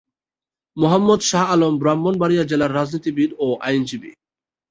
মোহাম্মদ শাহ আলম ব্রাহ্মণবাড়িয়া জেলার রাজনীতিবিদ ও আইনজীবী।